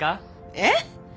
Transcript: えっ！？